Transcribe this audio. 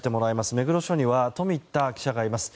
目黒署には冨田記者がいます。